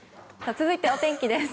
続いて、お天気です。